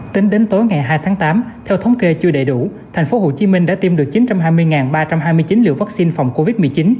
tính đến tối ngày hai tháng tám theo thống kê chưa đầy đủ thành phố hồ chí minh đã tiêm được chín trăm hai mươi ba trăm hai mươi chín liều vaccine phòng covid một mươi chín